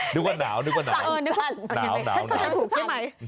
นึกว่าหนาวนึกว่าหนาวหนาวใช่ไหม